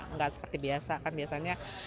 nggak seperti biasa kan biasanya